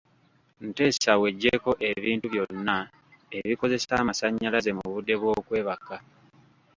Nteesa weggyeko ebintu byonna ebikozesa amasannyalaze mu budde bw'okwebaka.